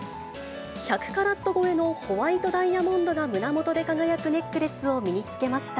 １００カラット超えのホワイトダイヤモンドが胸元で輝くネックレ